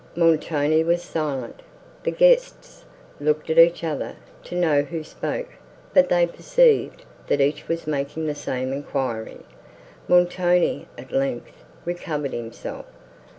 Montoni was silent; the guests looked at each other, to know who spoke; but they perceived, that each was making the same enquiry. Montoni, at length, recovered himself.